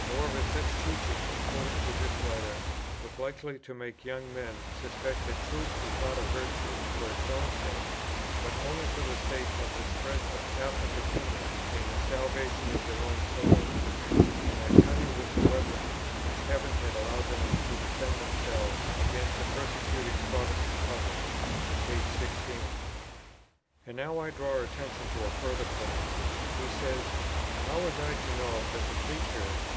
However, such teaching, according to this Writer, was likely to make young men "suspect, that truth was not a virtue for its own sake, but only for the sake of the spread of 'Catholic opinions,' and the 'salvation of their own souls;' and that cunning was the weapon which heaven had allowed to them to defend themselves against the persecuting Protestant public." p. 16. And now I draw attention to a further point. He says, "How was I to know that the preacher